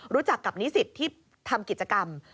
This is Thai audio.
รู้จักกับนิสิตที่ทำกิจกรรม